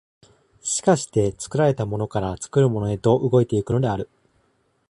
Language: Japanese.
而して作られたものから作るものへと動いて行くのである。